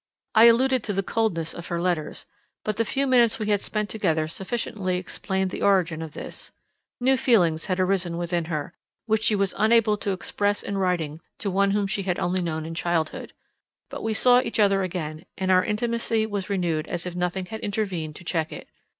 I alluded to the coldness of her letters; but the few minutes we had spent together sufficiently explained the origin of this. New feelings had arisen within her, which she was unable to express in writing to one whom she had only known in childhood; but we saw each other again, and our intimacy was renewed as if nothing had intervened to check it.